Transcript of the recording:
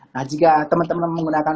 nah jika teman teman menggunakan